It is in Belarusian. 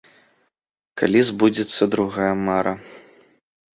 Калі збудзецца другая мара?